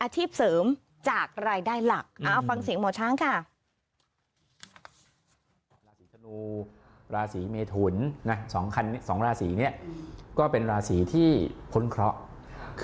อธิบเสริมจากรายได้หลัก